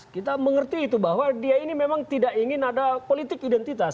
kita mengerti itu bahwa dia ini memang tidak ingin ada politik identitas